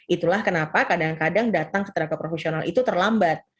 itulah kenapa kadang kadang datang ke tenaga profesional itu terlambat